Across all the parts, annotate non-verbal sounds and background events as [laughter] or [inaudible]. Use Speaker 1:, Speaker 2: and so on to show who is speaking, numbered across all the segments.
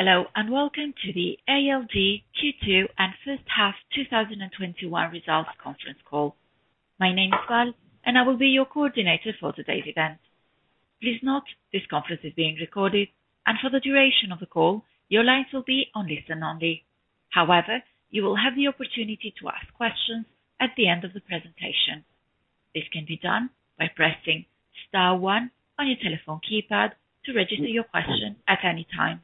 Speaker 1: Hello, and welcome to the ALD Q2 and first half 2021 results conference call. My name is Val, and I will be your coordinator for today's event. Please note, this conference is being recorded, and for the duration of the call, your lines will be on listen only. However, you will have the opportunity to ask questions at the end of the presentation. This can be done by pressing star one on your telephone keypad to register your question at any time.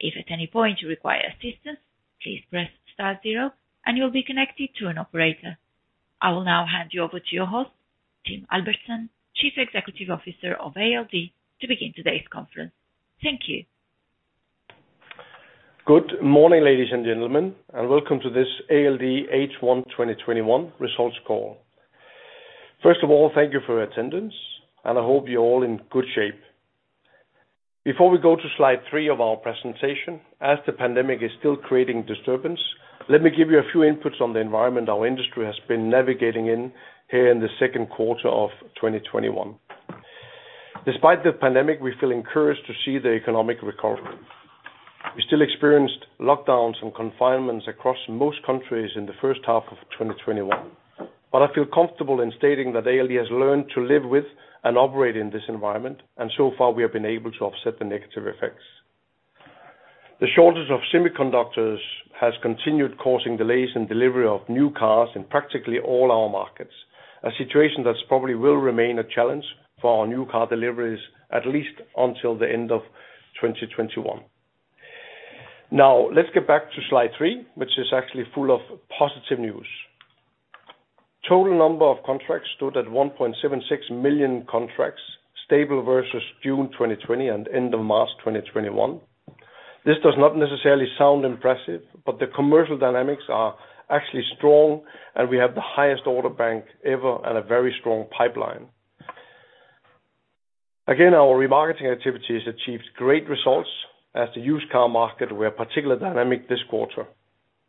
Speaker 1: If at any point you require assistance, please press star zero and you'll be connected to an operator. I will now hand you over to your host, Tim Albertsen, Chief Executive Officer of ALD, to begin today's conference. Thank you.
Speaker 2: Good morning, ladies and gentlemen, and welcome to this ALD H1 2021 results call. First of all, thank you for your attendance, and I hope you're all in good shape. Before we go to slide three of our presentation, as the pandemic is still creating disturbance, let me give you a few inputs on the environment our industry has been navigating in here in the second quarter of 2021. Despite the pandemic, we feel encouraged to see the economic recovery. We still experienced lockdowns and confinements across most countries in the 1st half of 2021, but I feel comfortable in stating that ALD has learned to live with and operate in this environment, and so far, we have been able to offset the negative effects. The shortage of semiconductors has continued causing delays in delivery of new cars in practically all our markets, a situation that probably will remain a challenge for our new car deliveries at least until the end of 2021. Let's get back to slide three, which is actually full of positive news. Total number of contracts stood at 1.76 million contracts, stable versus June 2020 and end of March 2021. This does not necessarily sound impressive. The commercial dynamics are actually strong. We have the highest order bank ever and a very strong pipeline. Our remarketing activities achieved great results as the used car market were particular dynamic this quarter.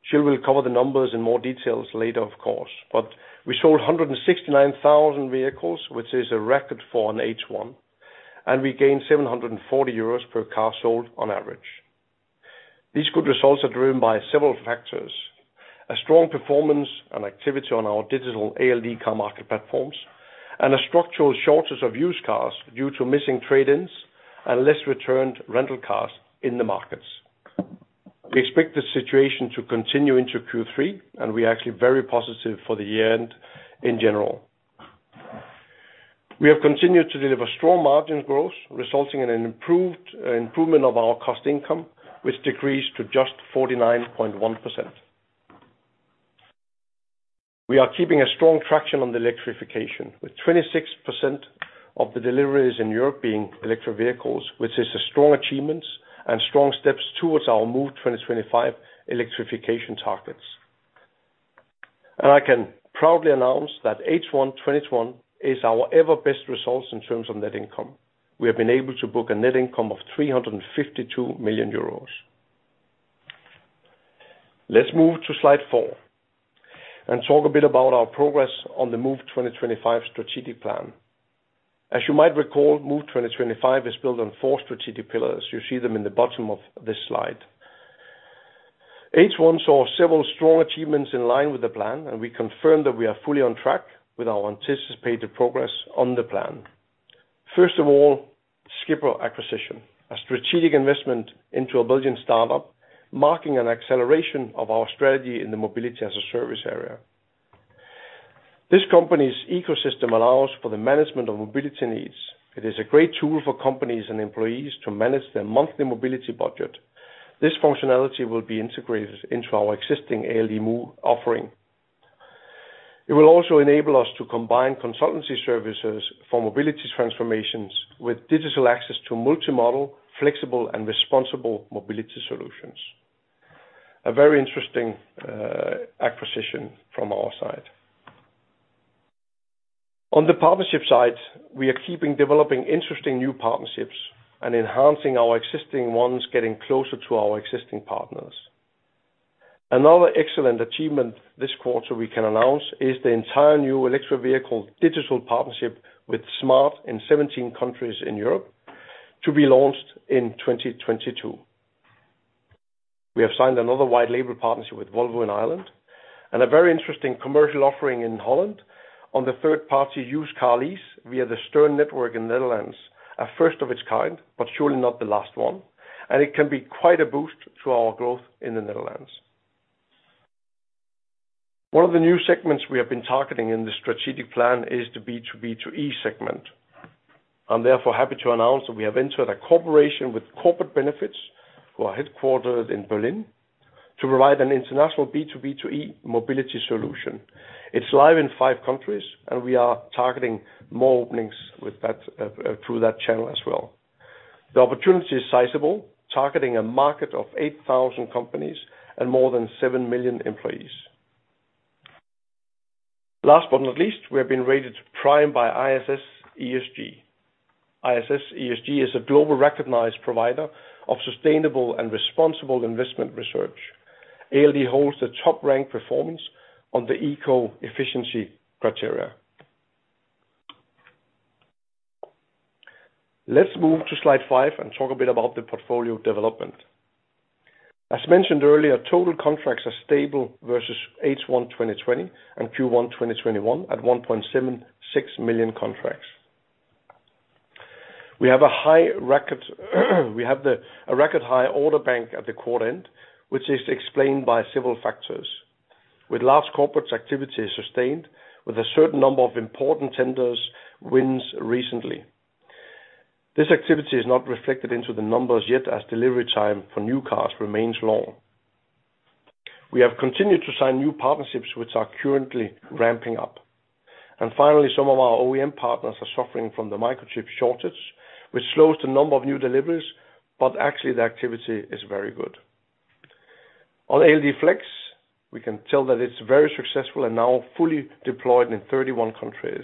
Speaker 2: Gilles will cover the numbers in more details later, of course. We sold 169,000 vehicles, which is a record for an H1. We gained 740 euros per car sold on average. These good results are driven by several factors, a strong performance and activity on our digital ALD Carmarket platforms, and a structural shortage of used cars due to missing trade-ins and less returned rental cars in the markets. We expect this situation to continue into Q3, and we're actually very positive for the year-end in general. We have continued to deliver strong margin growth, resulting in an improvement of our cost income, which decreased to just 49.1%. We are keeping a strong traction on the electrification, with 26% of the deliveries in Europe being electric vehicles, which is a strong achievement and strong steps towards our Move 2025 electrification targets. I can proudly announce that H1 2021 is our ever best results in terms of net income. We have been able to book a net income of 352 million euros. Let's move to slide four and talk a bit about our progress on the Move 2025 strategic plan. As you might recall, Move 2025 is built on four strategic pillars. You see them in the bottom of this slide. H1 saw several strong achievements in line with the plan, and we confirm that we are fully on track with our anticipated progress on the plan. First of all, Skipr acquisition, a strategic investment into a Belgian startup, marking an acceleration of our strategy in the Mobility-as-a-Service area. This company's ecosystem allows for the management of mobility needs. It is a great tool for companies and employees to manage their monthly mobility budget. This functionality will be integrated into our existing ALD Move offering. It will also enable us to combine consultancy services for mobility transformations with digital access to multi-modal, flexible, and responsible mobility solutions. A very interesting acquisition from our side. On the partnership side, we are keeping developing interesting new partnerships and enhancing our existing ones, getting closer to our existing partners. Another excellent achievement this quarter we can announce is the entire new electric vehicle digital partnership with Smart in 17 countries in Europe to be launched in 2022. We have signed another white label partnership with Volvo in Ireland and a very interesting commercial offering in Holland on the third-party used car lease via the Stern network in Netherlands, a first of its kind, but surely not the last one, and it can be quite a boost to our growth in the Netherlands. One of the new segments we have been targeting in the strategic plan is the B2B2E segment. I'm therefore happy to announce that we have entered a cooperation with Corporate Benefits, who are headquartered in Berlin, to provide an international B2B2E mobility solution. It's live in five countries, and we are targeting more openings through that channel as well. The opportunity is sizable, targeting a market of 8,000 companies and more than 7 million employees. Last but not least, we have been rated Prime by ISS ESG. ISS ESG is a global recognized provider of sustainable and responsible investment research. ALD holds the top-ranked performance on the eco efficiency criteria. Let's move to slide five and talk a bit about the portfolio development. As mentioned earlier, total contracts are stable versus H1 2020 and Q1 2021 at 1.76 million contracts. We have a record high order bank at the quarter end, which is explained by several factors. With large corporates activity sustained, with a certain number of important tenders wins recently. This activity is not reflected into the numbers yet, as delivery time for new cars remains long. We have continued to sign new partnerships, which are currently ramping up. Finally, some of our OEM partners are suffering from the microchip shortage, which slows the number of new deliveries, but actually the activity is very good. On ALD Flex, we can tell that it's very successful and now fully deployed in 31 countries.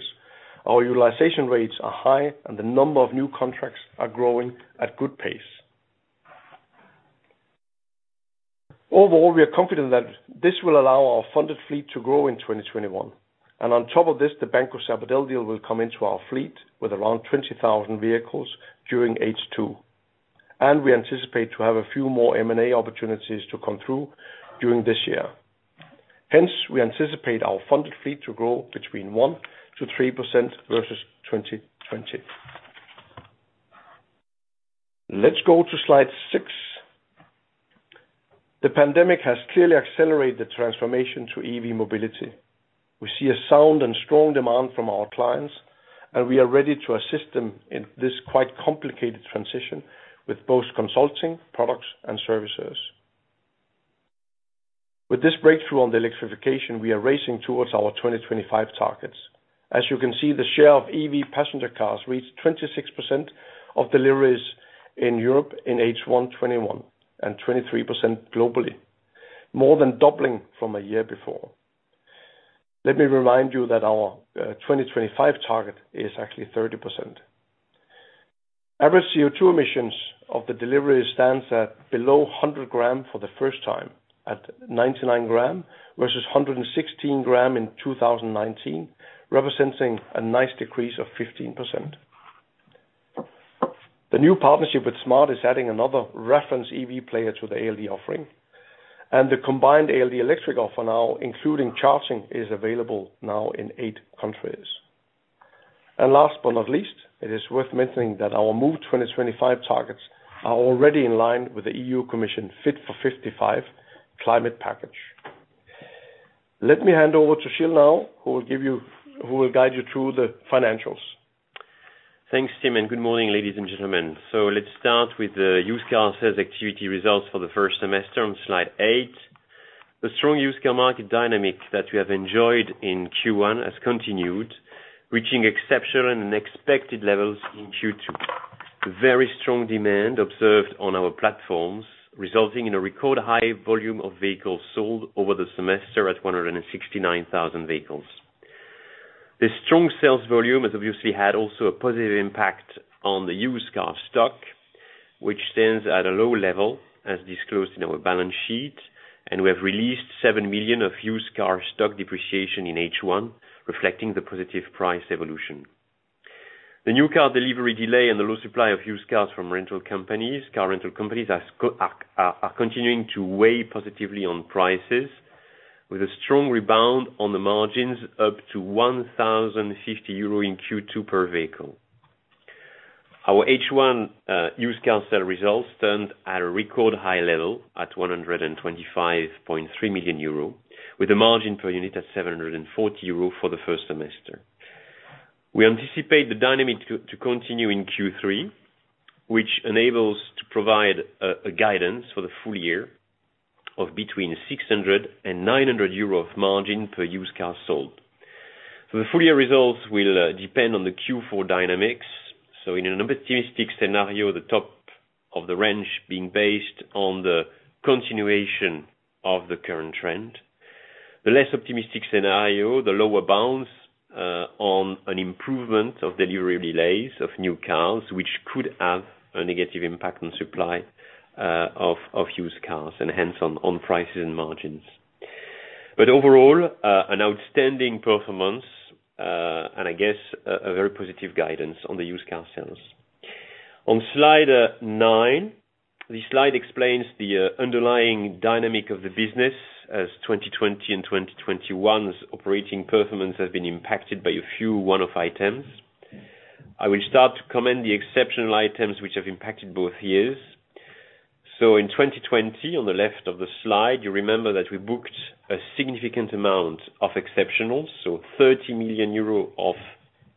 Speaker 2: Our utilization rates are high, and the number of new contracts are growing at good pace. Overall, we are confident that this will allow our funded fleet to grow in 2021. On top of this, the Banco Sabadell deal will come into our fleet with around 20,000 vehicles during H2. We anticipate to have a few more M&A opportunities to come through during this year. We anticipate our funded fleet to grow between 1% to 3% versus 2020. Let's go to slide six. The pandemic has clearly accelerated the transformation to EV mobility. We see a sound and strong demand from our clients, and we are ready to assist them in this quite complicated transition with both consulting, products, and services. With this breakthrough on the electrification, we are racing towards our 2025 targets. As you can see, the share of EV passenger cars reached 26% of deliveries in Europe in H1 2021, and 23% globally. More than doubling from a year before. Let me remind you that our 2025 target is actually 30%. Average CO2 emissions of the delivery stands at below 100 g for the first time at 99 g, versus 116 g in 2019, representing a nice decrease of 15%. The new partnership with Smart is adding another reference EV player to the ALD offering. The combined ALD Electric offer now, including charging, is available now in eight countries. Last but not least, it is worth mentioning that our Move 2025 targets are already in line with the EU Commission Fit for 55 climate package. Let me hand over to Gilles now, who will guide you through the financials.
Speaker 3: Thanks, Tim, and good morning, ladies and gentlemen. Let's start with the used car sales activity results for the first semester on slide eight. The strong used car market dynamic that we have enjoyed in Q1 has continued, reaching exceptional and expected levels in Q2. Very strong demand observed on our platforms, resulting in a record high volume of vehicles sold over the semester at 169,000 vehicles. This strong sales volume has obviously had also a positive impact on the used car stock, which stands at a low level as disclosed in our balance sheet, and we have released 7 million of used car stock depreciation in H1, reflecting the positive price evolution. The new car delivery delay and the low supply of used cars from rental companies, car rental companies are continuing to weigh positively on prices, with a strong rebound on the margins up to 1,050 euro in Q2 per vehicle. Our H1 used car sale results stand at a record high level at 125.3 million euro, with the margin per unit at 740 euro for the first semester. We anticipate the dynamic to continue in Q3, which enables to provide a guidance for the full year of between 600 and 900 euros of margin per used car sold. The full year results will depend on the Q4 dynamics. In an optimistic scenario, the top of the range being based on the continuation of the current trend. The less optimistic scenario, the lower bounds, on an improvement of delivery delays of new cars, which could have a negative impact on supply of used cars and hence on prices and margins. Overall, an outstanding performance, and I guess a very positive guidance on the used car sales. On slide nine, this slide explains the underlying dynamic of the business as 2020 and 2021's operating performance has been impacted by a few one-off items. I will start to comment the exceptional items which have impacted both years. In 2020, on the left of the slide, you remember that we booked a significant amount of exceptionals, so 30 million euro of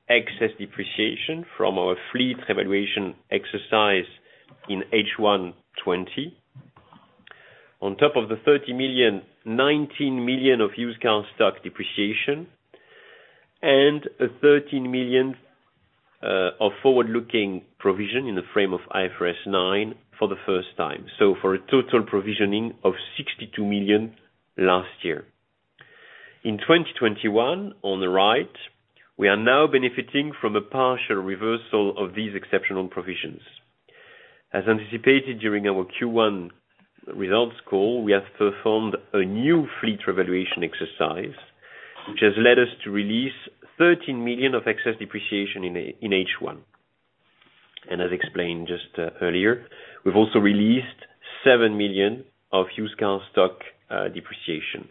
Speaker 3: excess depreciation from our fleet evaluation exercise in H1 2020. On top of the 30 million, 19 million of used car stock depreciation and 13 million of forward-looking provision in the frame of IFRS 9 for the first time. For a total provisioning of 62 million last year. In 2021, on the right, we are now benefiting from a partial reversal of these exceptional provisions. As anticipated during our Q1 results call, we have performed a new fleet revaluation exercise, which has led us to release 13 million of excess depreciation in H1. As explained just earlier, we've also released 7 million of used car stock depreciation.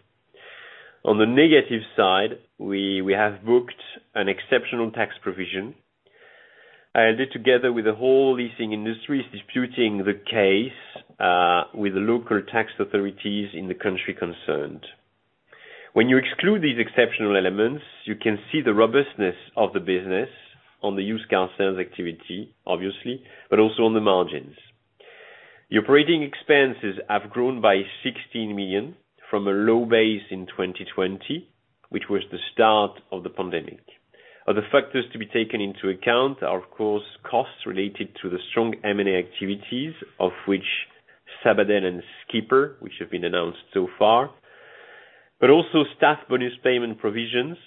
Speaker 3: On the negative side, we have booked an exceptional tax provision. Together with the whole leasing industry, is disputing the case with the local tax authorities in the country concerned. When you exclude these exceptional elements, you can see the robustness of the business on the used car sales activity, obviously, but also on the margins. The operating expenses have grown by 16 million from a low base in 2020, which was the start of the pandemic. Other factors to be taken into account are, of course, costs related to the strong M&A activities, of which Sabadell and Skipr, which have been announced so far. Also staff bonus payment provisions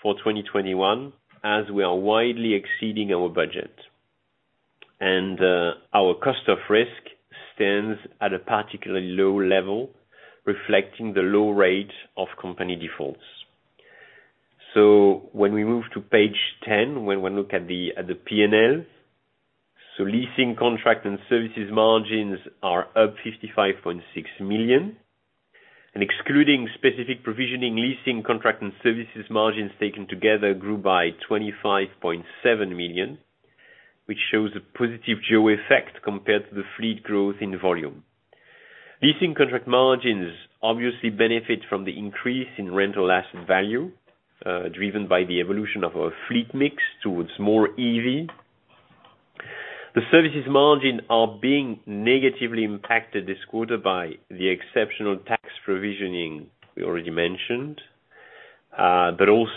Speaker 3: for 2021, as we are widely exceeding our budget. Our cost of risk stands at a particularly low level, reflecting the low rate of company defaults. When we move to page 10, when we look at the P&L. Leasing contract and services margins are up 55.6 million. Excluding specific provisioning, leasing contract and services margins taken together grew by 25.7 million, which shows a positive geo effect compared to the fleet growth in volume. Leasing contract margins obviously benefit from the increase in rental asset value, driven by the evolution of our fleet mix towards more EV. The services margin are being negatively impacted this quarter by the exceptional tax provisioning we already mentioned,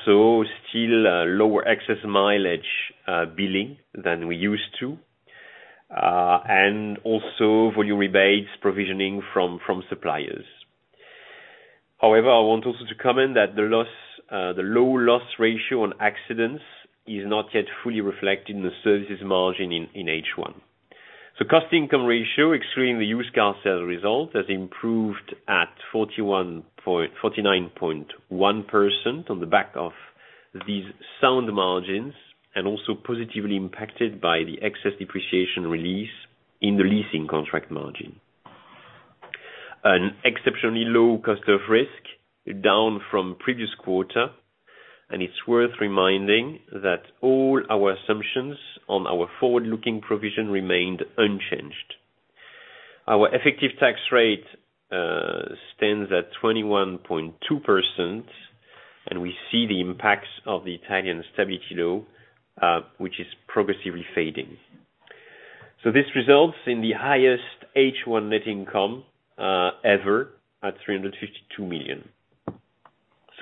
Speaker 3: still lower excess mileage billing than we used to, volume rebates provisioning from suppliers. I want also to comment that the low loss ratio on accidents is not yet fully reflected in the services margin in H1. cost-income ratio, excluding the used car sales result, has improved at 49.1% on the back of these sound margins positively impacted by the excess depreciation release in the leasing contract margin. An exceptionally low cost of risk, down from previous quarter. It's worth reminding that all our assumptions on our forward-looking provision remained unchanged. Our effective tax rate stands at 21.2%. We see the impacts of the Italian Stability Law, which is progressively fading. This results in the highest H1 net income ever at 352 million.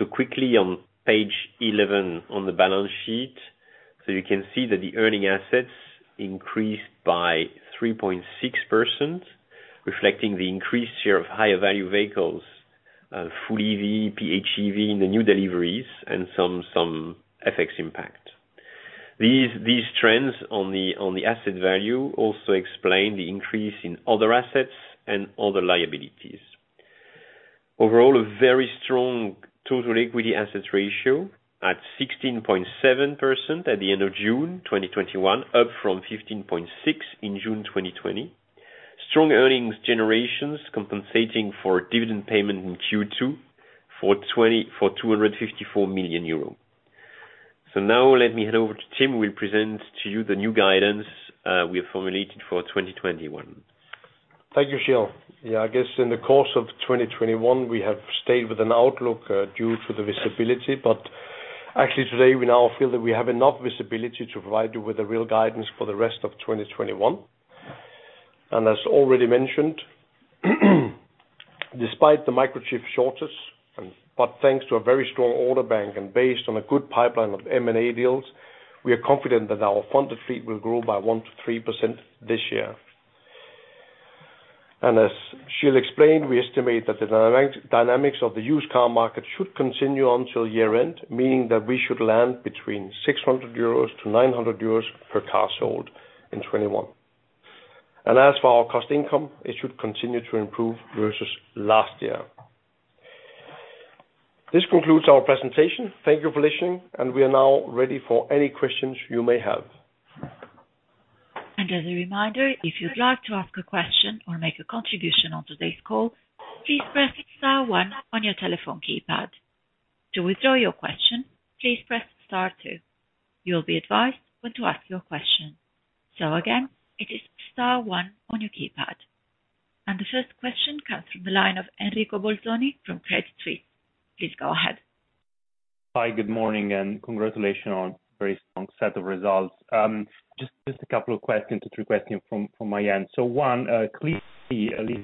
Speaker 3: Quickly on page 11 on the balance sheet. You can see that the earning assets increased by 3.6%, reflecting the increased share of higher value vehicles, full EV, PHEV in the new deliveries and some FX impact. These trends on the asset value also explain the increase in other assets and other liabilities. Overall, a very strong total equity assets ratio at 16.7% at the end of June 2021, up from 15.6% in June 2020. Strong earnings generations compensating for dividend payment in Q2 for 254 million euro. Now let me hand over to Tim, who will present to you the new guidance we have formulated for 2021.
Speaker 2: Thank you, Gilles. Yeah, I guess in the course of 2021, we have stayed with an outlook due to the visibility. Actually today, we now feel that we have enough visibility to provide you with a real guidance for the rest of 2021. As already mentioned, despite the microchip shortage, but thanks to a very strong order bank and based on a good pipeline of M&A deals, we are confident that our funded fleet will grow by 1% to 3% this year. As Gilles explained, we estimate that the dynamics of the used car market should continue until year-end, meaning that we should land between 600-900 euros per car sold in 2021. As for our cost-income, it should continue to improve versus last year. This concludes our presentation. Thank you for listening. We are now ready for any questions you may have.
Speaker 1: And as a reminder, if you'd like to ask a question or make a contribution on today's call, please press star one on your telephone keypad. To withdraw your question, please press star two. You'll be advised when to ask your question. So again, it is star one on your keypad. And the first question comes from the line of Enrico Bolzoni from Credit Suisse. Please go ahead.
Speaker 4: Hi, good morning. Congratulations on a very strong set of results. Just a couple of questions, three questions from my end. One, clearly,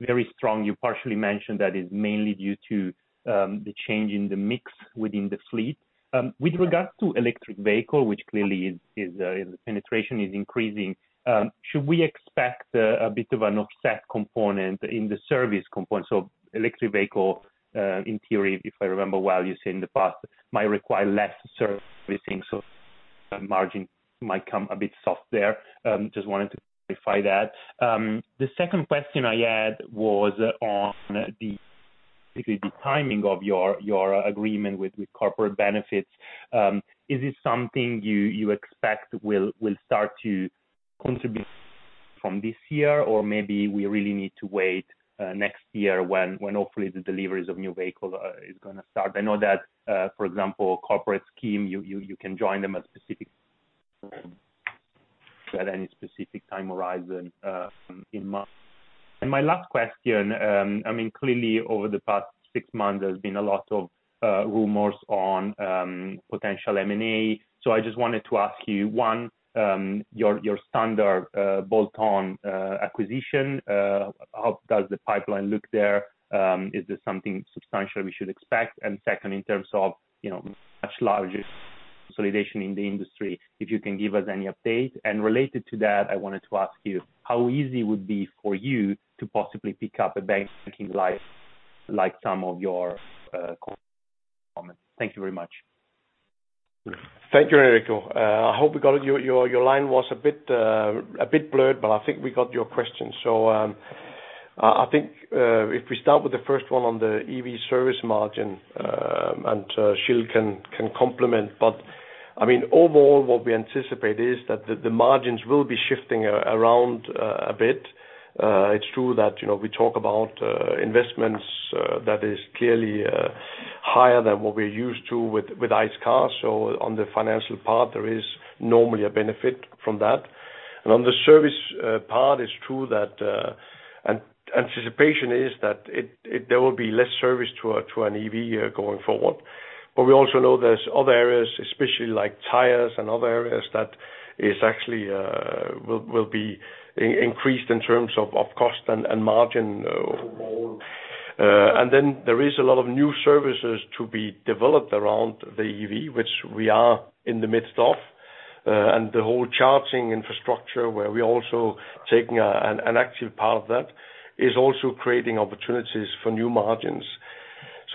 Speaker 4: very strong. You partially mentioned that it is mainly due to the change in the mix within the fleet. With regards to electric vehicle, which clearly its penetration is increasing, should we expect a bit of an offset component in the service component? Electric vehicle, in theory, if I remember well, you said in the past, might require less servicing. The margin might come a bit soft there. Just wanted to clarify that. The second question I had was on specifically the timing of your agreement with Corporate Benefits. Is it something you expect will start to contribute from this year? Maybe we really need to wait next year when hopefully the deliveries of new vehicles are going to start. I know that, for example, corporate scheme, you can join them at any specific time horizon in months. My last question, clearly over the past six months, there's been a lot of rumors on potential M&A. I just wanted to ask you, one, your standard bolt-on acquisition, how does the pipeline look there? Is this something substantial we should expect? Second, in terms of much larger consolidation in the industry, if you can give us any update. Related to that, I wanted to ask you how easy it would be for you to possibly pick up a bank [audio distortion]
Speaker 2: Thank you, Enrico. I hope we got it. Your line was a bit blurred, but I think we got your question. I think, if we start with the first one on the EV service margin, and Gilles can complement. Overall what we anticipate is that the margins will be shifting around a bit. It's true that we talk about investments that is clearly higher than what we're used to with ICE cars. On the financial part, there is normally a benefit from that. On the service part, it's true that anticipation is that there will be less service to an EV going forward. We also know there's other areas, especially like tires and other areas that is actually will be increased in terms of cost and margin overall. There is a lot of new services to be developed around the EV, which we are in the midst of. The whole charging infrastructure, where we're also taking an active part of that, is also creating opportunities for new margins.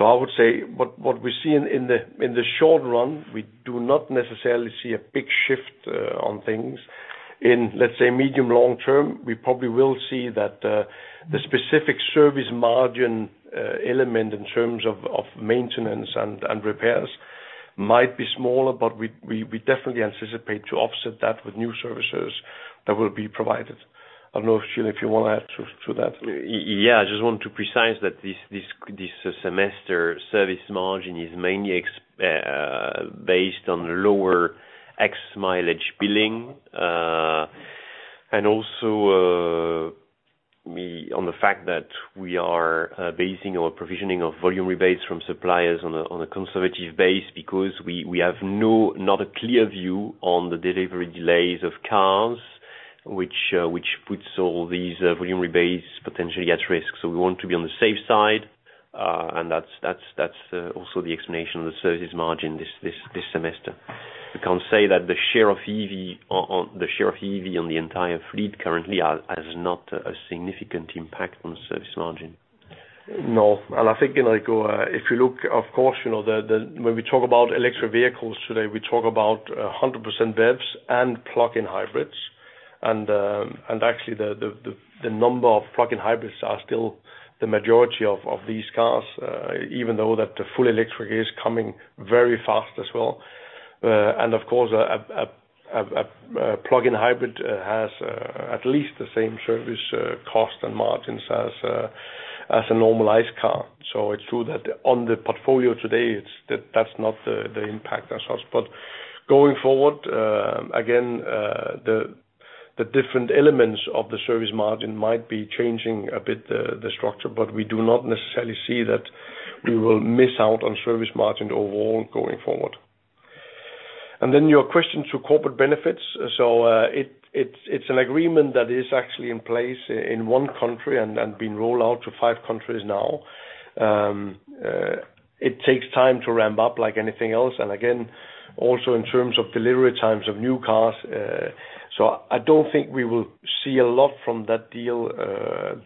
Speaker 2: I would say, what we see in the short run, we do not necessarily see a big shift on things. In, let's say, medium long term, we probably will see that the specific service margin element in terms of maintenance and repairs might be smaller, but we definitely anticipate to offset that with new services that will be provided. I don't know, Gilles, if you want to add to that.
Speaker 3: Yeah, I just want to precise that this semester service margin is mainly based on lower ex-mileage billing. Also, on the fact that we are basing our provisioning of volume rebates from suppliers on a conservative base because we have not a clear view on the delivery delays of cars, which puts all these volume rebates potentially at risk. We want to be on the safe side. That's also the explanation of the services margin this semester. We can say that the share of EV on the entire fleet currently has not a significant impact on the service margin.
Speaker 2: No. I think, Enrico, if you look, of course, when we talk about electric vehicles today, we talk about 100% BEVs and plug-in hybrids. Actually, the number of plug-in hybrids are still the majority of these cars, even though that full electric is coming very fast as well. Of course, a plug-in hybrid has at least the same service cost and margins as a normal ICE car. It's true that on the portfolio today, that's not the impact as such. Going forward, again, the different elements of the service margin might be changing a bit the structure, but we do not necessarily see that we will miss out on service margin overall going forward. Your question to Corporate Benefits. It's an agreement that is actually in place in one country and been rolled out to five countries now. It takes time to ramp up like anything else, also in terms of delivery times of new cars. I don't think we will see a lot from that deal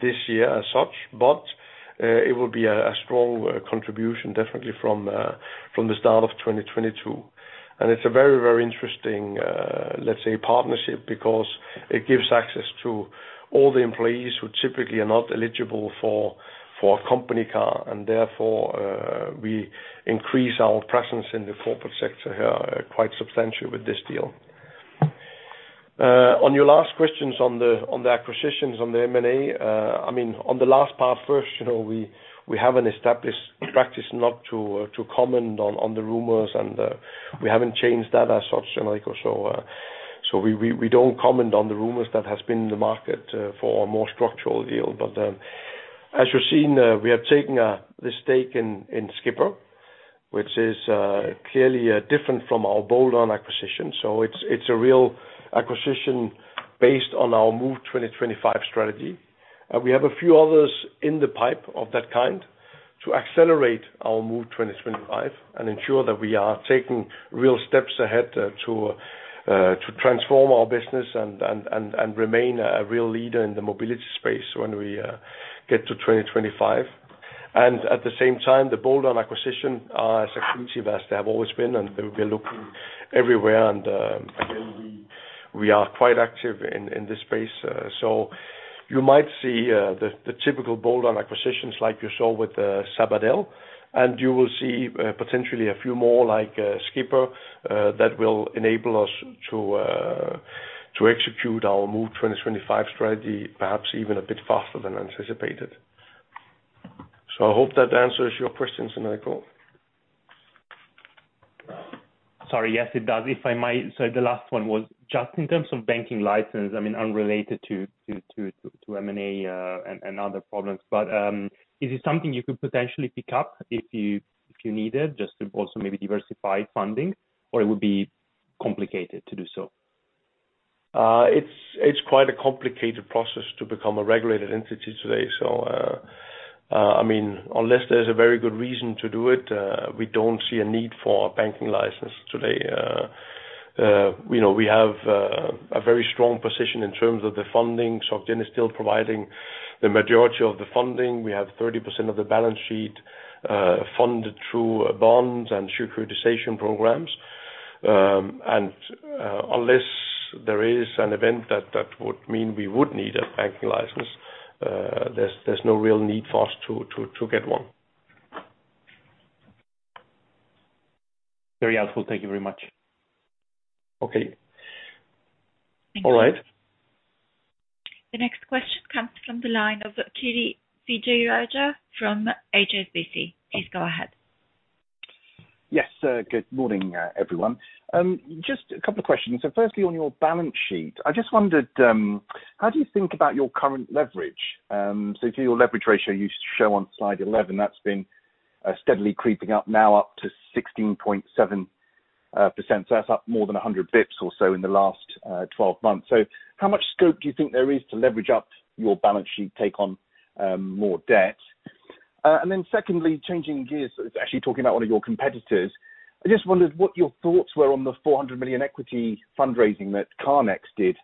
Speaker 2: this year as such, but it will be a strong contribution definitely from the start of 2022. It's a very interesting, let's say, partnership because it gives access to all the employees who typically are not eligible for a company car and therefore, we increase our presence in the corporate sector quite substantially with this deal. On your last questions on the acquisitions, on the M&A, on the last part first, we have an established practice not to comment on the rumors and we haven't changed that as such, Enrico. We don't comment on the rumors that has been in the market for a more structural deal. As you've seen, we have taken this stake in Skipr, which is clearly different from our bolt-on acquisition. It's a real acquisition based on our Move 2025 strategy. We have a few others in the pipe of that kind to accelerate our Move 2025 and ensure that we are taking real steps ahead to transform our business and remain a real leader in the mobility space when we get to 2025. At the same time, the bolt-on acquisition are as crucial to us as they have always been, and we are looking everywhere and again, we are quite active in this space. You might see the typical bolt-on acquisitions like you saw with Sabadell, and you will see potentially a few more like Skipr that will enable us to execute our Move 2025 strategy, perhaps even a bit faster than anticipated. I hope that answers your questions, Enrico.
Speaker 4: Sorry. Yes, it does. If I might, the last one was just in terms of banking license, unrelated to M&A and other problems. Is it something you could potentially pick up if you need it just to also maybe diversify funding, or it would be complicated to do so?
Speaker 2: It's quite a complicated process to become a regulated entity today. Unless there's a very good reason to do it, we don't see a need for a banking license today. We have a very strong position in terms of the funding. SocGen is still providing the majority of the funding. We have 30% of the balance sheet funded through bonds and securitization programs. Unless there is an event that would mean we would need a banking license, there's no real need for us to get one.
Speaker 4: Very helpful. Thank you very much.
Speaker 2: Okay. All right.
Speaker 1: The next question comes from the line of Kiri Vijayarajah from HSBC. Please go ahead.
Speaker 5: Yes, good morning, everyone. Just a couple of questions. Firstly, on your balance sheet, I just wondered how do you think about your current leverage? If your leverage ratio you show on slide 11, that's been steadily creeping up now up to 16.7%, so that's up more than 100 basis points or so in the last 12 months. How much scope do you think there is to leverage up your balance sheet take on more debt? Secondly, changing gears, actually talking about one of your competitors, I just wondered what your thoughts were on the 400 million equity fundraising that CarNext did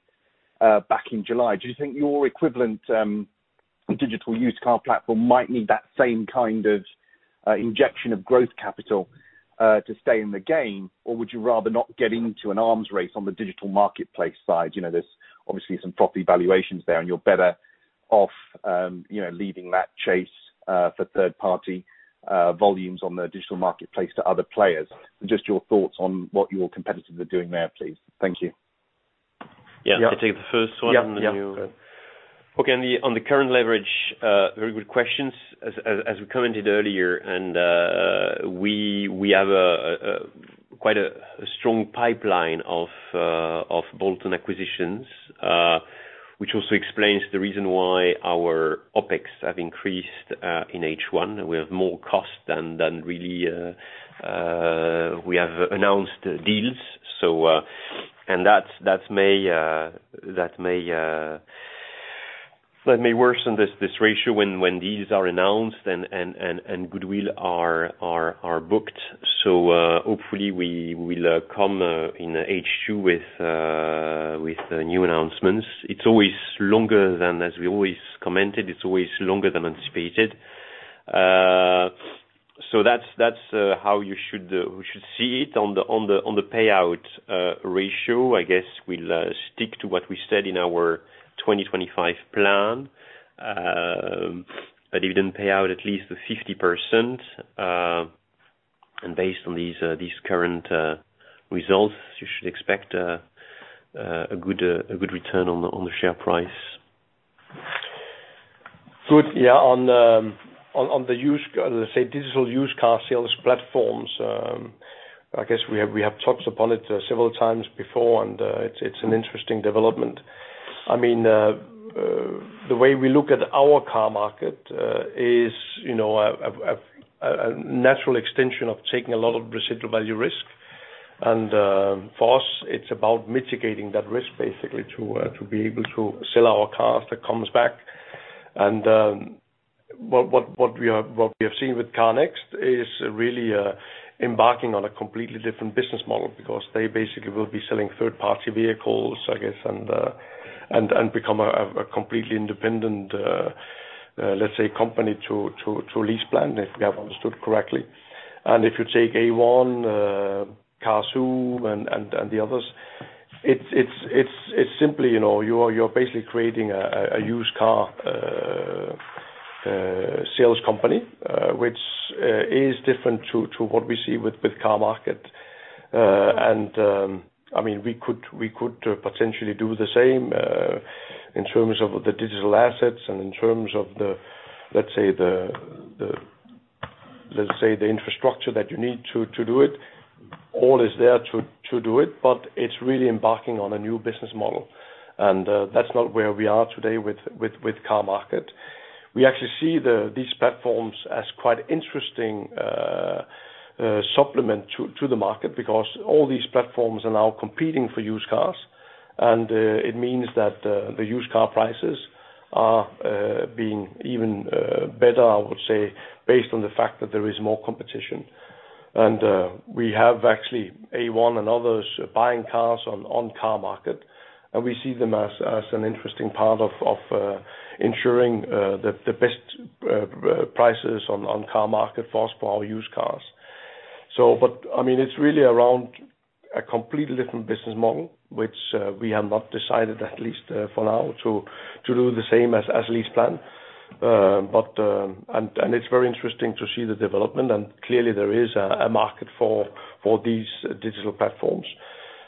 Speaker 5: back in July. Do you think your equivalent digital used car platform might need that same kind of injection of growth capital, to stay in the game? Or would you rather not get into an arms race on the digital marketplace side? There's obviously some proper evaluations there. You're better off leading that chase for third party volumes on the digital marketplace to other players. Just your thoughts on what your competitors are doing there, please. Thank you.
Speaker 3: Yeah. I take the first one, and then you-
Speaker 2: Yeah.
Speaker 3: Okay. On the current leverage, very good questions. As we commented earlier, we have quite a strong pipeline of bolt-on acquisitions, which also explains the reason why our OpEx have increased in H1. We have more cost than really we have announced deals. That may worsen this ratio when deals are announced and goodwill are booked. Hopefully we will come in H2 with new announcements. As we always commented, it's always longer than anticipated. That's how you should see it on the payout ratio. I guess we'll stick to what we said in our 2025 plan. A dividend payout at least of 50%. Based on these current results, you should expect a good return on the share price.
Speaker 2: Good. Yeah, on the let's say digital used car sales platforms, I guess we have touched upon it several times before, and it's an interesting development. The way we look at our Carmarket is a natural extension of taking a lot of residual value risk. For us, it's about mitigating that risk basically to be able to sell our cars that comes back. What we have seen with CarNext is really embarking on a completely different business model because they basically will be selling third-party vehicles, I guess, and become a completely independent, let's say company to LeasePlan, if we have understood correctly. If you take A1, Cazoo and the others, it's simply you're basically creating a used car sales company, which is different to what we see with Carmarket. We could potentially do the same, in terms of the digital assets and in terms of the infrastructure that you need to do it. All is there to do it, but it's really embarking on a new business model. That's not where we are today with Carmarket. We actually see these platforms as quite interesting supplement to the market because all these platforms are now competing for used cars. It means that the used car prices are being even better, I would say, based on the fact that there is more competition. We have actually A1 and others buying cars on Carmarket, and we see them as an interesting part of ensuring the best prices on Carmarket for us, for our used cars. It's really around a completely different business model, which we have not decided, at least for now, to do the same as LeasePlan. It's very interesting to see the development, and clearly there is a market for these digital platforms.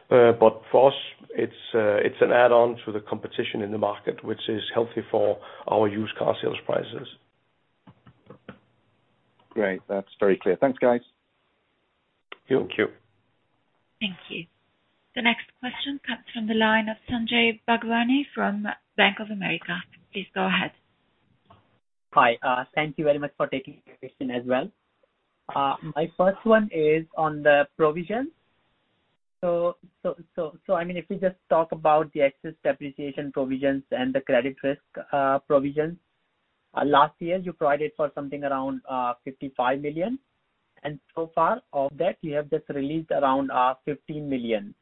Speaker 2: For us, it's an add-on to the competition in the market, which is healthy for our used car sales prices.
Speaker 5: Great. That's very clear. Thanks, guys.
Speaker 2: Thank you.
Speaker 1: Thank you. The next question comes from the line of Sanjay Bhagwani from Bank of America. Please go ahead.
Speaker 6: Hi. Thank you very much for taking my question as well. My first one is on the provision. If we just talk about the excess depreciation provisions and the credit risk provisions. Last year, you provided for something around 55 million, and so far, of that, you have just released around 15 million.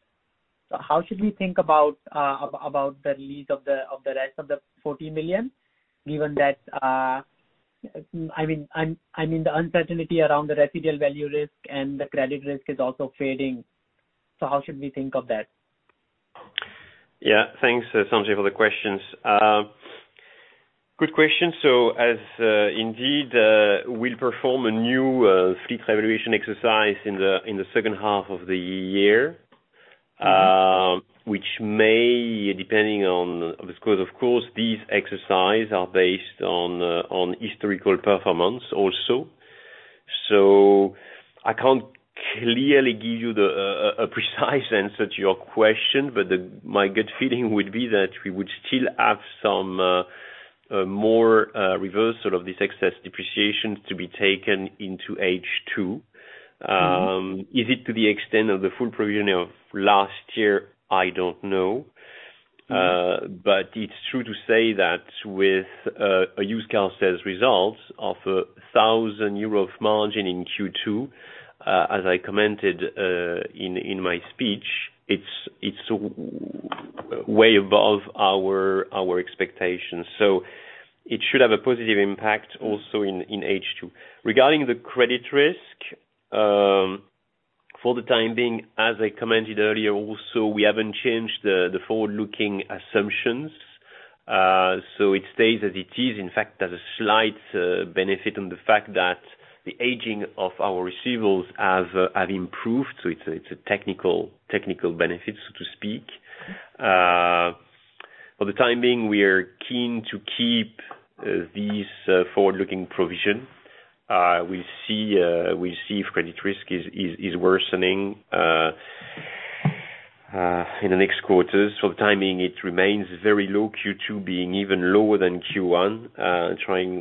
Speaker 6: How should we think about the release of the rest of the 14 million, given that the uncertainty around the residual value risk and the credit risk is also fading. How should we think of that?
Speaker 3: Yeah. Thanks, Sanjay, for the questions. Good question. As indeed, we'll perform a new fleet evaluation exercise in the second half of the year, which may, depending on the score, of course, these exercises are based on historical performance also. I can't clearly give you a precise answer to your question, but my gut feeling would be that we would still have some more reversal of this excess depreciation to be taken into H2. Is it to the extent of the full provision of last year? I don't know. It's true to say that with a used car sales result of 1,000 euro of margin in Q2, as I commented in my speech, it's way above our expectations. It should have a positive impact also in H2. Regarding the credit risk, for the time being, as I commented earlier also, we haven't changed the forward-looking assumptions. It stays as it is. In fact, there's a slight benefit on the fact that the aging of our receivables have improved. It's a technical benefit, so to speak. For the time being, we are keen to keep these forward-looking provisions. We'll see if credit risk is worsening in the next quarter. Timing, it remains very low, Q2 being even lower than Q1.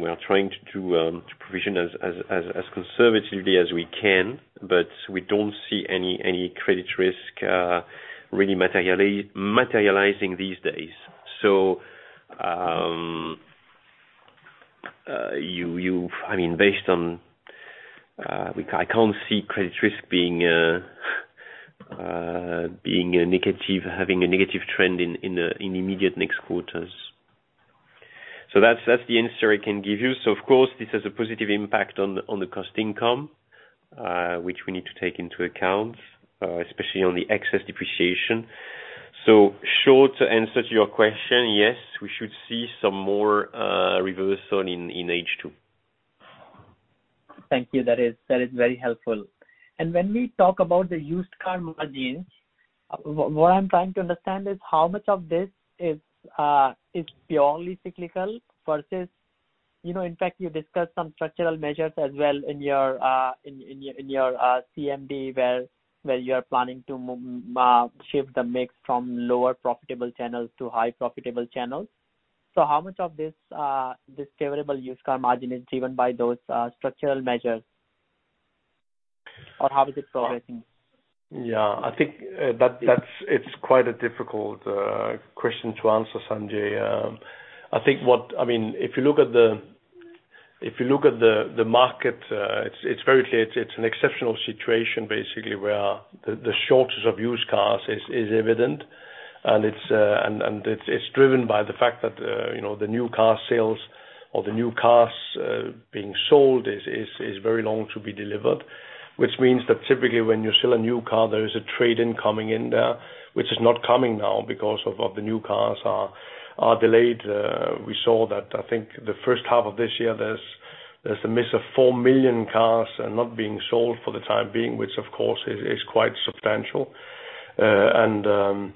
Speaker 3: We are trying to provision as conservatively as we can, but we don't see any credit risk really materializing these days. I can't see credit risk having a negative trend in the immediate next quarters. That's the answer I can give you. Of course, this has a positive impact on the cost-income ratio, which we need to take into account, especially on the excess depreciation. Short answer to your question, yes, we should see some more reversal in H2.
Speaker 6: Thank you. That is very helpful. When we talk about the used car margins, what I'm trying to understand is how much of this is purely cyclical versus, in fact, you discussed some structural measures as well in your CMD where you are planning to shift the mix from lower profitable channels to high profitable channels. How much of this favorable used car margin is driven by those structural measures? How is it progressing?
Speaker 2: Yeah, I think it's quite a difficult question to answer, Sanjay. If you look at the market, it's very clear it's an exceptional situation, basically, where the shortage of used cars is evident, and it's driven by the fact that the new car sales or the new cars being sold is very long to be delivered. It means that typically when you sell a new car, there is a trade-in coming in there, which is not coming now because of the new cars are delayed. We saw that, I think, the first half of this year, there's a miss of 4 million cars not being sold for the time being, which of course, is quite substantial. That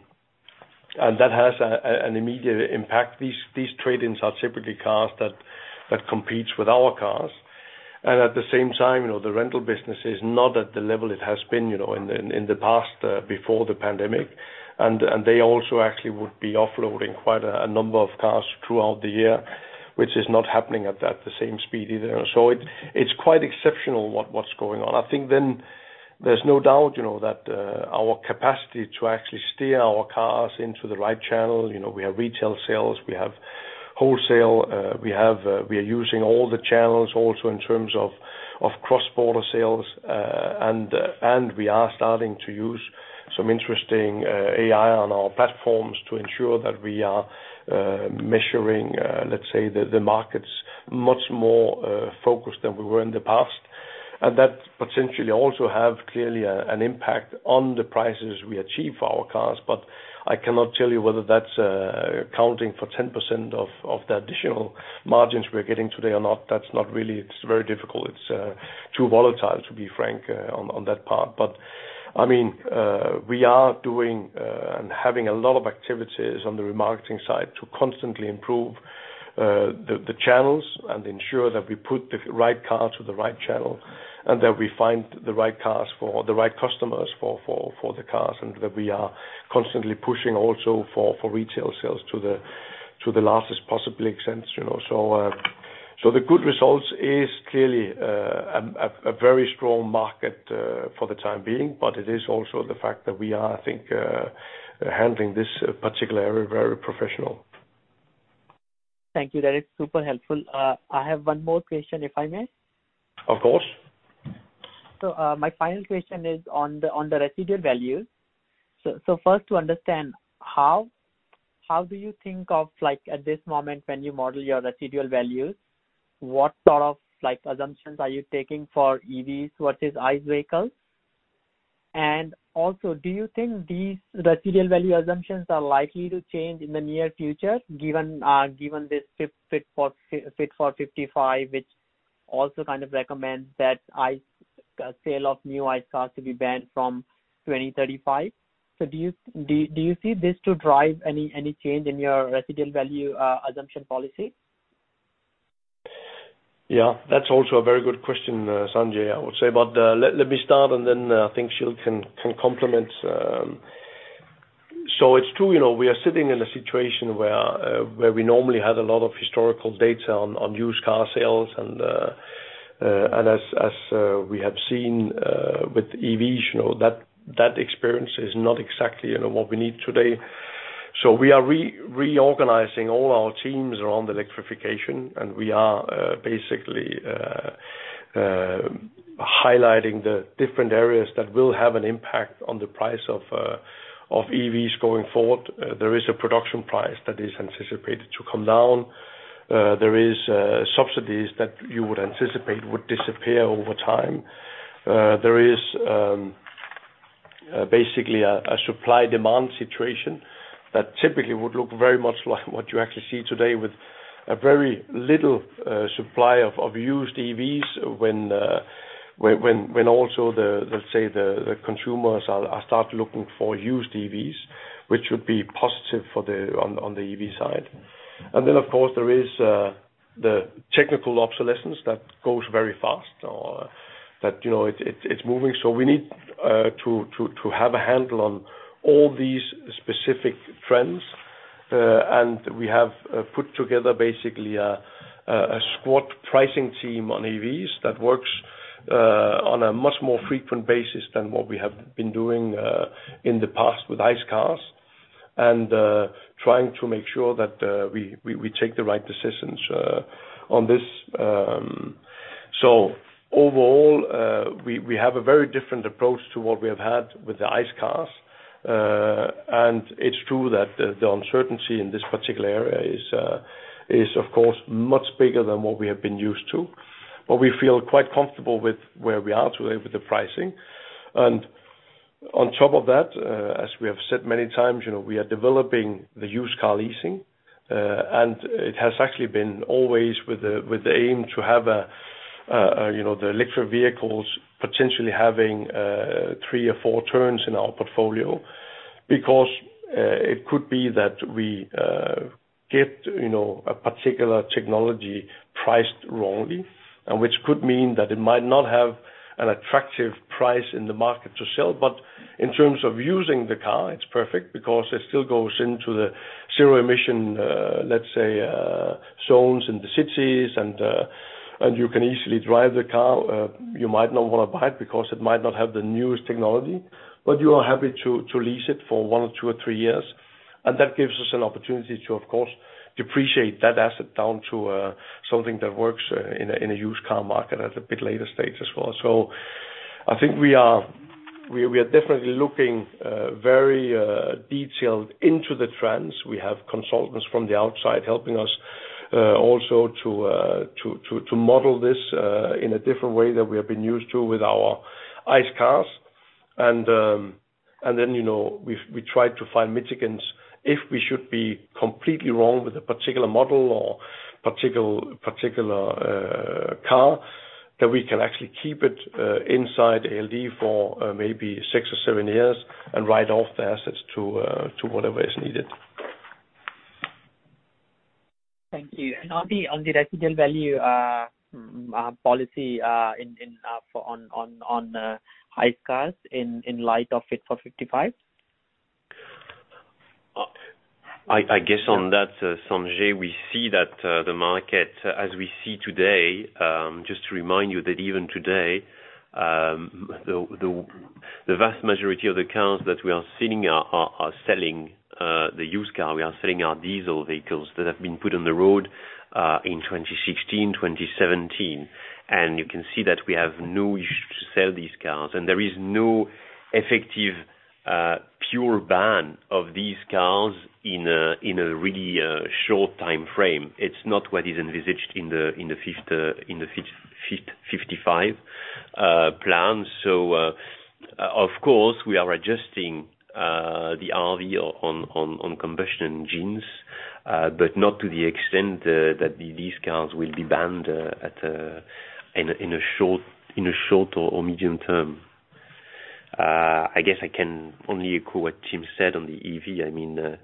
Speaker 2: has an immediate impact. These trade-ins are typically cars that competes with our cars. At the same time, the rental business is not at the level it has been in the past before the pandemic. They also actually would be offloading quite a number of cars throughout the year, which is not happening at the same speed either. It's quite exceptional what's going on. I think there's no doubt that our capacity to actually steer our cars into the right channel, we have retail sales, we have wholesale. We are using all the channels also in terms of cross-border sales. We are starting to use some interesting AI on our platforms to ensure that we are measuring, let's say, the markets much more focused than we were in the past. That potentially also have clearly an impact on the prices we achieve for our cars, but I cannot tell you whether that's accounting for 10% of the additional margins we're getting today or not. It's very difficult. It's too volatile, to be frank, on that part. We are doing and having a lot of activities on the remarketing side to constantly improve the channels and ensure that we put the right car to the right channel, and that we find the right customers for the cars, and that we are constantly pushing also for retail sales to the largest possible extent. The good results is clearly a very strong market for the time being, but it is also the fact that we are, I think, handling this particular area very professional.
Speaker 6: Thank you. That is super helpful. I have one more question, if I may.
Speaker 2: Of course.
Speaker 6: My final question is on the residual values. First, to understand, how do you think of at this moment when you model your residual values, what sort of assumptions are you taking for EVs versus ICE vehicles? Also, do you think these residual value assumptions are likely to change in the near future given this Fit for 55, which also kind of recommends that sale of new ICE cars to be banned from 2035? Do you see this to drive any change in your residual value assumption policy?
Speaker 2: That's also a very good question, Sanjay, I would say. Let me start, and then I think Gilles can complement. It's true, we are sitting in a situation where we normally had a lot of historical data on used car sales. As we have seen with EVs, that experience is not exactly what we need today. We are reorganizing all our teams around electrification, and we are basically highlighting the different areas that will have an impact on the price of EVs going forward. There is a production price that is anticipated to come down. There is subsidies that you would anticipate would disappear over time. There is basically a supply-demand situation that typically would look very much like what you actually see today with a very little supply of used EVs when also, let's say, the consumers start looking for used EVs, which would be positive on the EV side. Of course, there is the technical obsolescence that goes very fast or that it's moving. We need to have a handle on all these specific trends. We have put together basically a squad pricing team on EVs that works on a much more frequent basis than what we have been doing in the past with ICE cars, and trying to make sure that we take the right decisions on this. Overall, we have a very different approach to what we have had with the ICE cars. It's true that the uncertainty in this particular area is of course, much bigger than what we have been used to. We feel quite comfortable with where we are today with the pricing. On top of that, as we have said many times, we are developing the used car leasing. It has actually been always with the aim to have the electric vehicles potentially having three or four turns in our portfolio. Because it could be that we get a particular technology priced wrongly, and which could mean that it might not have an attractive price in the market to sell, but in terms of using the car, it's perfect because it still goes into the zero emission, let's say, zones in the cities, and you can easily drive the car. You might not want to buy it because it might not have the newest technology, but you are happy to lease it for one or two or three years. That gives us an opportunity to, of course, depreciate that asset down to something that works in a used car market at a bit later stage as well. I think we are definitely looking very detailed into the trends. We have consultants from the outside helping us also to model this in a different way than we have been used to with our ICE cars. Then, we try to find mitigants if we should be completely wrong with a particular model or particular car, that we can actually keep it inside ALD for maybe six or seven years and write off the assets to whatever is needed.
Speaker 6: Thank you. On the residual value policy on ICE cars in light of Fit for 55?
Speaker 3: I guess on that, Sanjay, we see that the market, as we see today, just to remind you that even today, the vast majority of the cars that we are selling are selling the used car. We are selling our diesel vehicles that have been put on the road in 2016, 2017. You can see that we have no issue to sell these cars, and there is no effective pure ban of these cars in a really short timeframe. It's not what is envisaged in the Fit 55 plans. Of course, we are adjusting the RV on combustion engines, but not to the extent that these cars will be banned in a short or medium-term. I guess I can only echo what Tim said on the EV.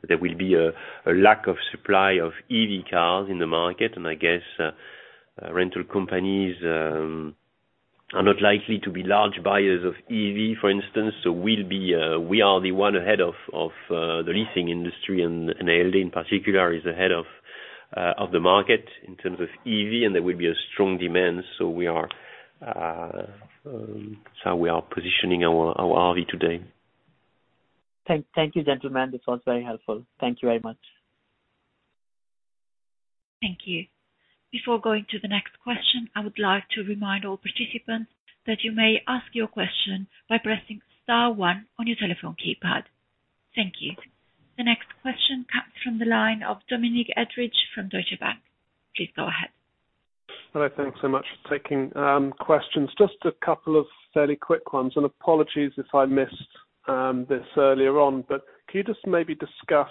Speaker 3: There will be a lack of supply of EV cars in the market, and I guess rental companies are not likely to be large buyers of EV, for instance. We are the one ahead of the leasing industry, and ALD in particular is ahead of the market in terms of EV, and there will be a strong demand. We are positioning our RV today.
Speaker 6: Thank you, gentlemen. This was very helpful. Thank you very much.
Speaker 1: Thank you. Before going to the next question, I would like to remind all participants that you may ask your question by pressing star one on your telephone keypad. Thank you. The next question comes from the line of Dominic Edridge from Deutsche Bank. Please go ahead.
Speaker 7: Hello. Thanks so much for taking questions. Just a couple of fairly quick ones. Apologies if I missed this earlier on. Could you just maybe discuss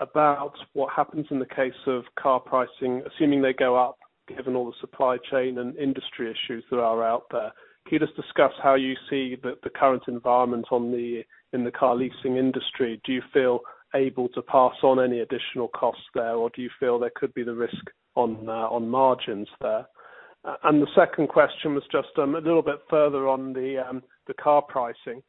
Speaker 7: about what happens in the case of car pricing, assuming they go up, given all the supply chain and industry issues that are out there. Could you just discuss how you see the current environment in the car leasing industry? Do you feel able to pass on any additional costs there, or do you feel there could be the risk on margins there? The second question was just a little bit further on the car pricing.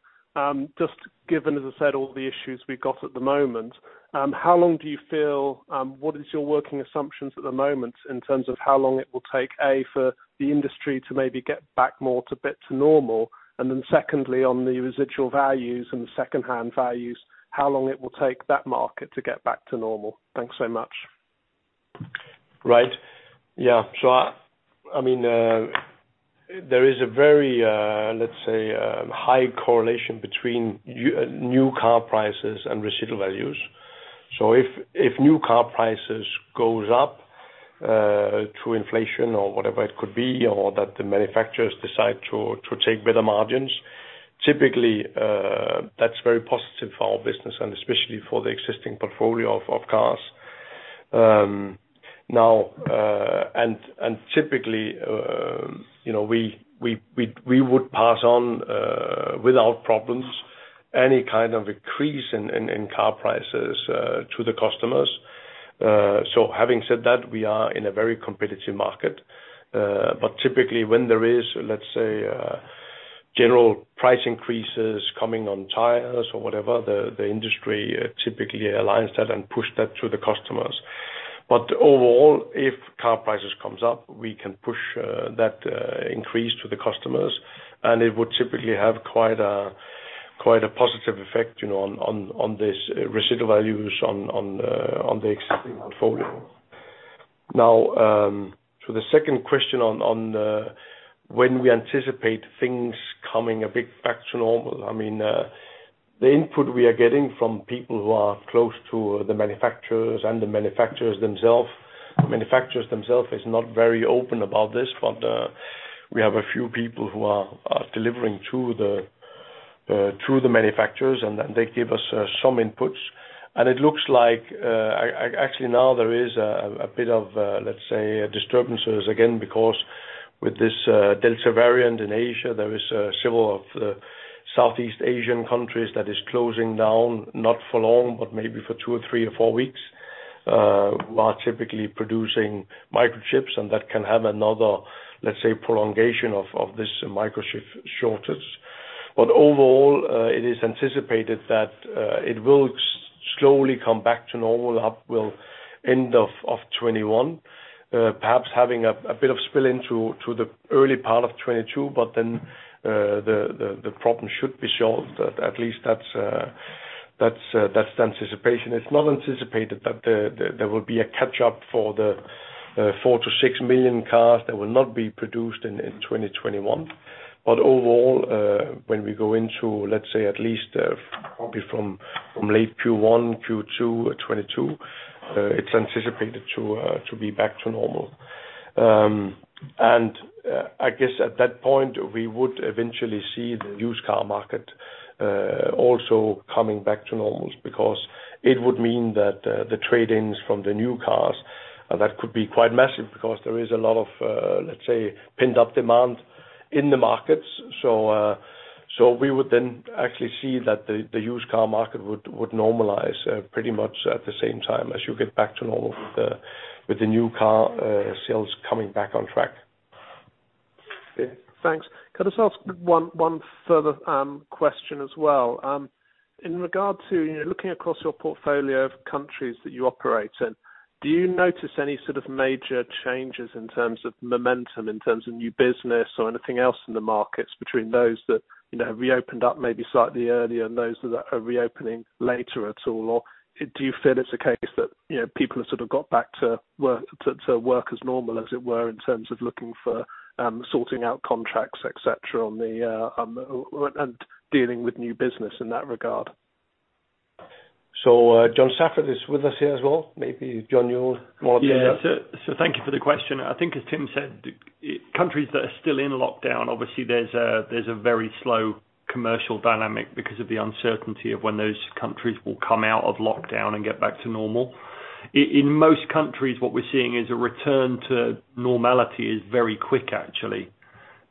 Speaker 7: Just given, as I said, all the issues we've got at the moment, what is your working assumptions at the moment in terms of how long it will take, A, for the industry to maybe get back more to normal? Secondly, on the residual values and the second-hand values, how long it will take that market to get back to normal? Thanks so much.
Speaker 2: Right. Yeah. There is a very, let's say, high correlation between new car prices and residual values. If new car prices goes up through inflation or whatever it could be, or that the manufacturers decide to take better margins, typically, that's very positive for our business and especially for the existing portfolio of cars. Typically, we would pass on without problems any kind of increase in car prices to the customers. Having said that, we are in a very competitive market. Typically when there is, let's say, general price increases coming on tires or whatever, the industry typically aligns that and push that to the customers. Overall, if car prices comes up, we can push that increase to the customers, and it would typically have quite a positive effect on this residual values on the existing portfolio. To the second question on when we anticipate things coming a bit back to normal. The input we are getting from people who are close to the manufacturers and the manufacturers themselves is not very open about this, but we have a few people who are delivering through the manufacturers, and they give us some inputs. It looks like, actually now there is a bit of, let's say, disturbances again, because with this Delta variant in Asia, there is several of Southeast Asian countries that is closing down, not for long, but maybe for two or three or four weeks, who are typically producing microchips, and that can have another, let's say, prolongation of this microchip shortage. Overall, it is anticipated that it will slowly come back to normal up till end of 2021, perhaps having a bit of spill into the early part of 2022, but then the problem should be solved. At least that's the anticipation. It's not anticipated that there will be a catch-up for the 4 million-6 million cars that will not be produced in 2021. Overall, when we go into, let's say at least probably from late Q1, Q2 2022, it's anticipated to be back to normal. I guess at that point, we would eventually see the used car market also coming back to normal, because it would mean that the trade-ins from the new cars, that could be quite massive because there is a lot of, let's say, pent-up demand in the markets. We would then actually see that the used car market would normalize pretty much at the same time as you get back to normal with the new car sales coming back on track.
Speaker 7: Okay, thanks. Could I just ask one further question as well? In regard to looking across your portfolio of countries that you operate in, do you notice any sort of major changes in terms of momentum, in terms of new business or anything else in the markets between those that have reopened up maybe slightly earlier and those that are reopening later at all? Or do you feel it's a case that people have sort of got back to work as normal, as it were, in terms of looking for sorting out contracts, et cetera, and dealing with new business in that regard?
Speaker 2: John Saffrett is with us here as well. Maybe John, you want to-
Speaker 8: Yeah. Thank you for the question. I think as Tim said, countries that are still in lockdown, obviously there's a very slow commercial dynamic because of the uncertainty of when those countries will come out of lockdown and get back to normal. In most countries, what we're seeing is a return to normality is very quick actually,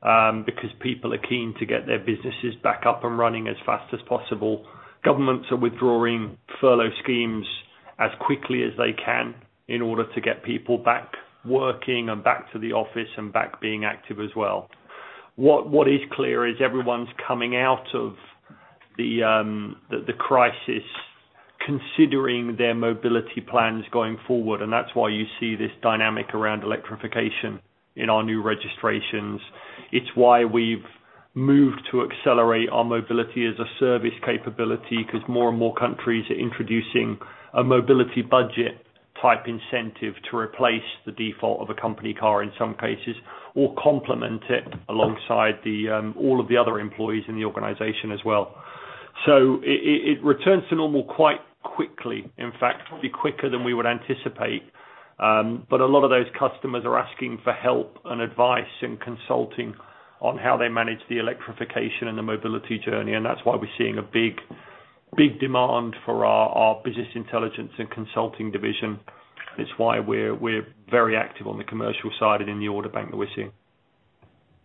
Speaker 8: because people are keen to get their businesses back up and running as fast as possible. Governments are withdrawing furlough schemes as quickly as they can in order to get people back working and back to the office and back being active as well. What is clear is everyone's coming out of the crisis considering their mobility plans going forward, and that's why you see this dynamic around electrification in our new registrations. It's why we've moved to accelerate our Mobility-as-a-Service capability because more and more countries are introducing a mobility budget type incentive to replace the default of a company car in some cases or complement it alongside all of the other employees in the organization as well. It returns to normal quite quickly. In fact, probably quicker than we would anticipate. A lot of those customers are asking for help and advice and consulting on how they manage the electrification and the mobility journey, and that's why we're seeing a big demand for our business intelligence and consulting division. It's why we're very active on the commercial side and in the order bank that we're seeing.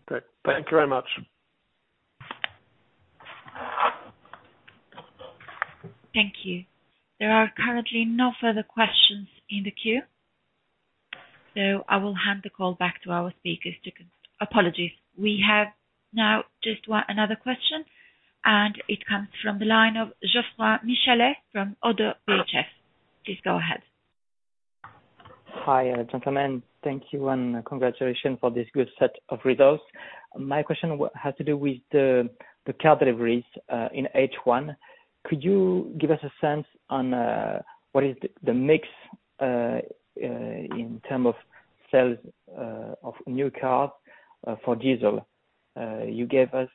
Speaker 7: Great. Thank you very much.
Speaker 1: Thank you. There are currently no further questions in the queue, so I will hand the call back to our speakers. Apologies. We have now just another question, and it comes from the line of Geoffroy Michelet from Oddo BHF. Please go ahead.
Speaker 9: Hi, gentlemen. Thank you and congratulations for this good set of results. My question has to do with the car deliveries, in H1. Could you give us a sense on, what is the mix in term of sales of new cars for diesel? You gave us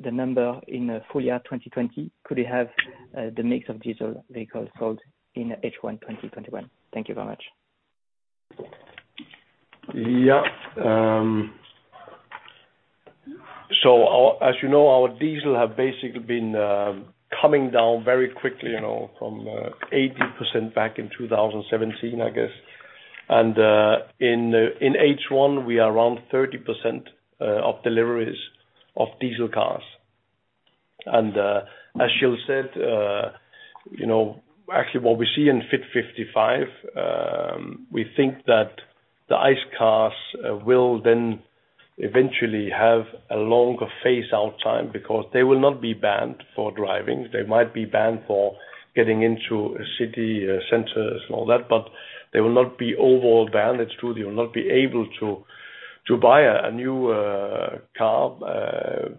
Speaker 9: the number in full year 2020. Could we have the mix of diesel vehicles sold in H1 2021? Thank you very much.
Speaker 2: Yeah. As you know, our diesel have basically been coming down very quickly from 80% back in 2017, I guess. In H1, we are around 30% of deliveries of diesel cars. As Gilles said, actually what we see in Fit for 55, we think that the ICE cars will then eventually have a longer phase out time because they will not be banned for driving. They might be banned for getting into city centers and all that, but they will not be overall banned. It's true they will not be able to buy a new car,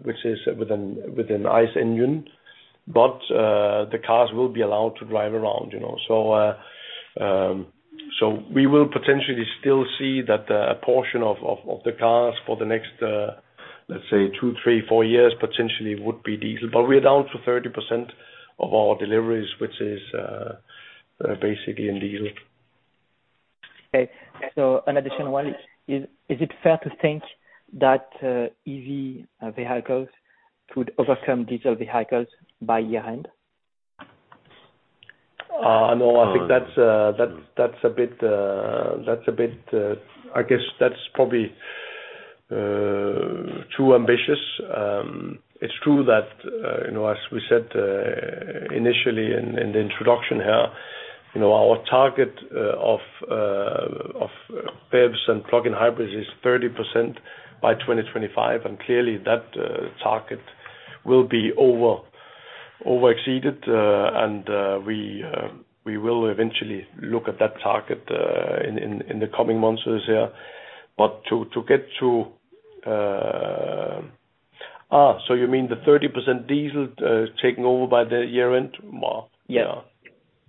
Speaker 2: which is with an ICE engine, but the cars will be allowed to drive around. We will potentially still see that a portion of the cars for the next, let's say two, three, four years potentially would be diesel. We are down to 30% of our deliveries, which is basically in diesel.
Speaker 9: Okay. An additional one, is it fair to think that EV vehicles could overcome diesel vehicles by year-end?
Speaker 2: No, I think that's a bit I guess that's probably too ambitious. It's true that, as we said, initially in the introduction here, our target of BEVs and plug-in hybrids is 30% by 2025. Clearly that target will be overexceeded, and we will eventually look at that target in the coming months this year. You mean the 30% diesel taking over by the year-end?
Speaker 9: Yeah.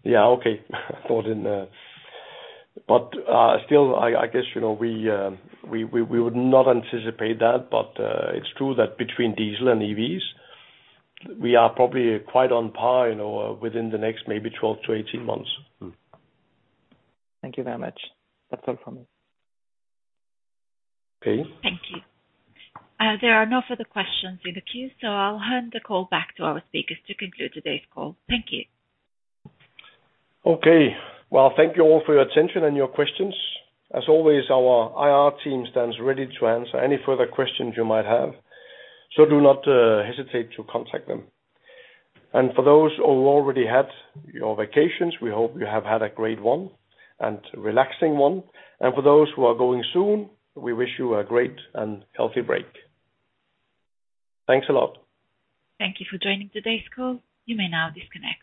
Speaker 2: Yeah. Okay. Still, I guess, we would not anticipate that. It's true that between diesel and EVs, we are probably quite on par within the next maybe 12 to 18 months.
Speaker 9: Thank you very much. That's all from me.
Speaker 2: Okay.
Speaker 1: Thank you. There are no further questions in the queue, so I'll hand the call back to our speakers to conclude today's call. Thank you.
Speaker 2: Okay. Well, thank you all for your attention and your questions. As always, our IR team stands ready to answer any further questions you might have. Do not hesitate to contact them. For those who already had your vacations, we hope you have had a great one and relaxing one. For those who are going soon, we wish you a great and healthy break. Thanks a lot.
Speaker 1: Thank you for joining today's call. You may now disconnect.